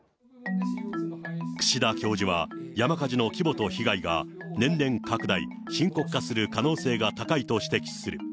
串田教授は、山火事の規模と被害が年々拡大、深刻化する可能性が高いと指摘する。